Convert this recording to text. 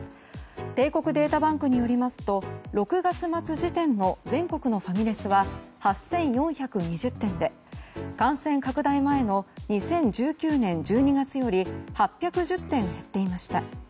帝国データバンクによりますと６月末時点の全国のファミレスは８４２０店で、感染拡大前の２０１９年１２月より８１０店減っていました。